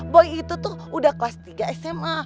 boy itu tuh udah kelas tiga sma